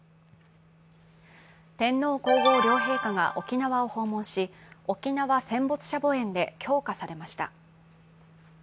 天皇皇后両陛下が沖縄を訪問し、沖縄戦没者墓苑で供花されました。